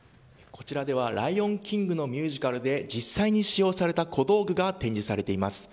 こちらでは「ライオンキング」のミュージカルで実際に使用された小道具が展示されています。